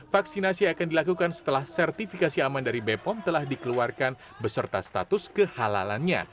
vaksinasi akan dilakukan setelah sertifikasi aman dari bepom telah dikeluarkan beserta status kehalalannya